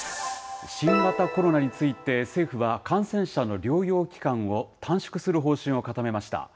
新型コロナについて、政府は感染者の療養期間を短縮する方針を固めました。